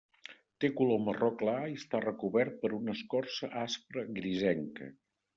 Té color marró clar i està recobert per una escorça aspra grisenca.